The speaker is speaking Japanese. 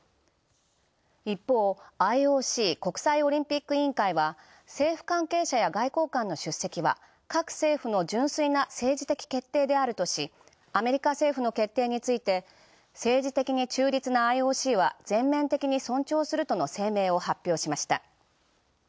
一方、ＩＯＣ＝国際オリンピック委員会は政府関係者や外交官の出席は各政府の純粋な政治的決定であるとしアメリカ政府の決定について政治的に中立なＩＯＣは全面的に尊重するとの声明を発表しました。